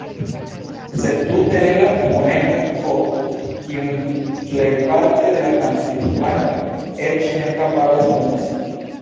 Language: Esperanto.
Sed tute ne la fonemon Ĥ, kiun plejparte la franclingvanoj eĉ ne kapablas prononci.